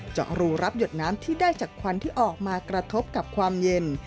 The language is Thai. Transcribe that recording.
เจาะรูรับหยดน้ำที่ได้จากควันที่ออกมากระทบกับความเย็น